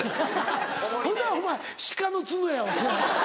ほんだらお前鹿の角やわそら。